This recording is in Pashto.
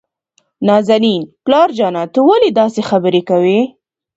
نازنين: پلار جانه ته ولې داسې خبرې کوي؟